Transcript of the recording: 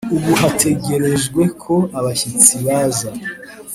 ubu hategerejwe ko abashyitsi baza.